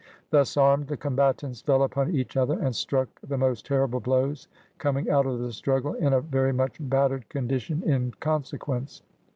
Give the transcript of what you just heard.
Thus armed, the combatants fell upon each other, and struck the most terrible blows, coming out of the struggle in a very much battered condition in con sequence.